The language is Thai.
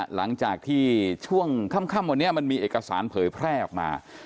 หลังจากที่ช่วงค่ำวันนี้มันมีเอกสารเผยแพร่ออกมา